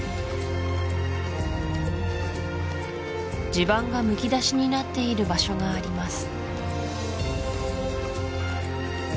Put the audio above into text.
地盤がむき出しになっている場所があります